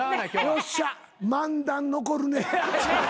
よっしゃ漫談残るね。